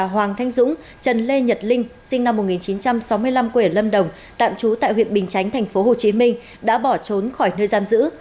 hoàng thanh dũng trần lê nhật linh sinh năm một nghìn chín trăm sáu mươi năm quê ở lâm đồng tạm trú tại huyện bình chánh tp hcm đã bỏ trốn khỏi nơi giam giữ